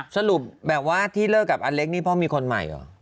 สรุปแบบว่าที่เลิกกับอเล็กนี่พ่อมีคนใหม่เหรอ